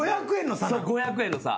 ５００円の差。